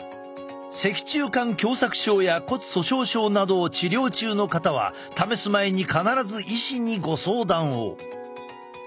脊柱管狭さく症や骨粗しょう症などを治療中の方は試す前に必ず医師にご相談を。